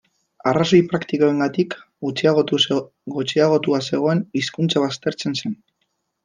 Arrazoi praktikoengatik gutxiagotua zegoen hizkuntza baztertzen zen.